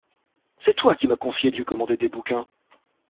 C’est toi qui m’as conseillé de lui commander des bouquins.